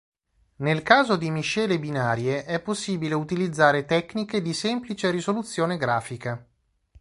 Nel caso di miscele binarie, è possibile utilizzare tecniche di semplice risoluzione grafica.